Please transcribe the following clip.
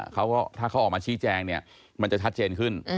เขาก็ถ้าเขาออกมาชี้แจงเนี่ยมันจะชัดเจนขึ้น